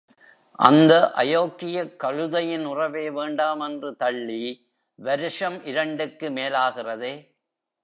அந்த அயோக்கியக் கழுதையின் உறவே வேண்டாமென்று தள்ளி வருஷம் இரண்டுக்கு மேலாகிறதே.